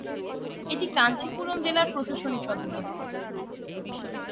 এটি কাঞ্চীপুরম জেলার প্রশাসনিক সদর দফতর।